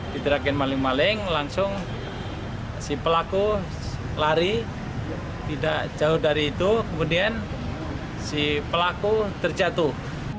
diterakin maling maling langsung si pelaku lari tidak jauh dari itu kemudian si pelaku terjatuh